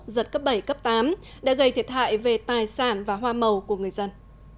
giật cấp bảy cấp tám đã gây thiệt hại về tài sản và hoa màu của người dân